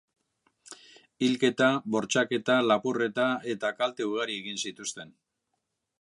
Hilketa, bortxaketa, lapurreta eta kalte ugari egin zituzten.